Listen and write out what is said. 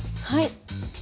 はい。